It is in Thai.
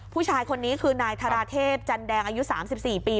ผู้ชายคนนี้คือนายธาราเทพจันแดงอายุ๓๔ปี